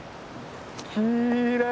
きれい！